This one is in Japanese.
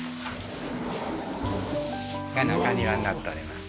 中庭になっております。